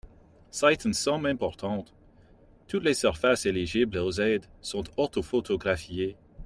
C’est une somme importante ! Toutes les surfaces éligibles aux aides sont orthophotographiées.